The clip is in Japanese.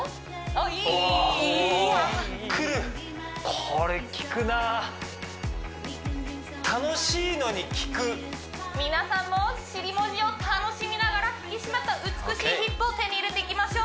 これきくなあ皆さんも尻文字を楽しみながら引き締まった美しいヒップを手に入れていきましょう！